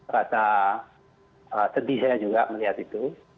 rasa sedih saya juga melihat itu